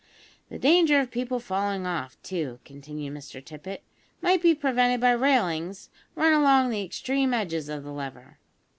"The danger of people falling off, too," continued Mr Tippet, "might be prevented by railings run along the extreme edges of the lever."